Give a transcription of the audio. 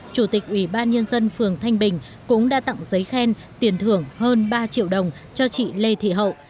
chủ tịch ubnd phường thanh bình cũng đã tặng giấy khen tiền thưởng hơn ba triệu đồng cho chị lê thị hậu